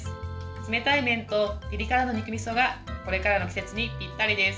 冷たい麺とピリ辛の肉みそがこれからの季節にぴったりです。